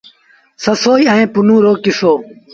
سسئيٚ ائيٚݩ پنهون رو ڪسو۔